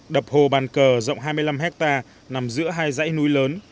đập hồ bàn cờ rộng hai mươi năm hectare nằm giữa hai dãy núi lớn